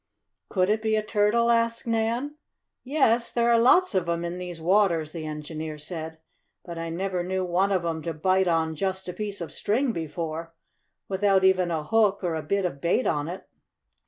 "Could it be a turtle?" asked Nan. "Yes, there are lots of 'em in these waters," the engineer said. "But I never knew one of 'em to bite on just a piece of string before, without even a hook or a bit of bait on it."